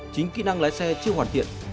chính kỹ năng lái xe chưa hoàn thiện